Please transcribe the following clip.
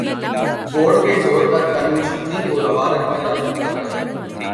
Vote کے زور پر قانون شکنی کو روا رکھا جا سکتا ہے۔